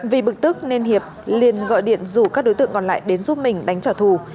vì bực tức nên hiệp liên gọi điện rủ các đối tượng còn lại đến giúp mình đánh trả thù